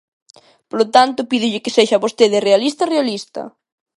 Polo tanto, pídolle que sexa vostede realista, realista.